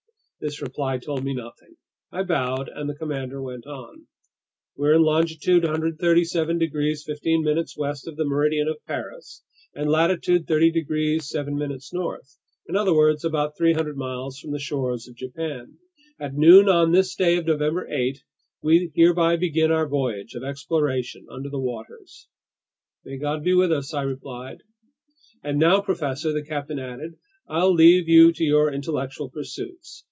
This reply told me nothing. I bowed, and the commander went on: "We're in longitude 137 degrees 15' west of the meridian of Paris, and latitude 30 degrees 7' north, in other words, about 300 miles from the shores of Japan. At noon on this day of November 8, we hereby begin our voyage of exploration under the waters." "May God be with us!" I replied. "And now, professor," the captain added, "I'll leave you to your intellectual pursuits.